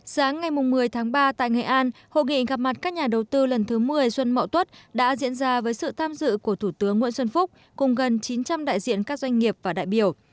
sáng ngày một mươi tháng ba tại nghệ an hội nghị gặp mặt các nhà đầu tư lần thứ một mươi xuân mậu tuất đã diễn ra với sự tham dự của thủ tướng nguyễn xuân phúc cùng gần chín trăm linh đại diện các doanh nghiệp và đại biểu